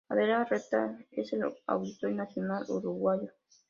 Adela Reta es el auditorio nacional uruguayo.